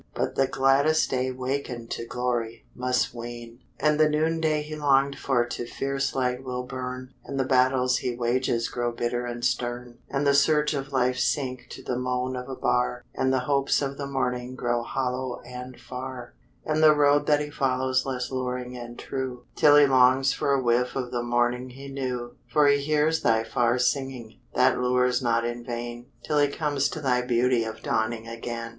But the gladdest day wakened To glory, must wane; And the noonday he longed for To fierce light will burn, And the battles he wages Grow bitter and stern; And the surge of life sink To the moan of a bar; And the hopes of the morning Grow hollow and far; And the road that he follows Less luring and true, Till he longs for a whiff Of the morning he knew. For he hears thy far singing, That lures not in vain, Till he comes to thy beauty Of dawning again.